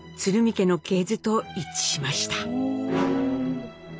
家の系図と一致しました。